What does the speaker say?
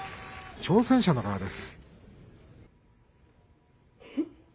挑戦者の側です。